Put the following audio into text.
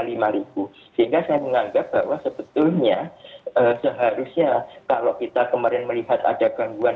sehingga saya menganggap bahwa sebetulnya seharusnya kalau kita kemarin melihat ada gangguan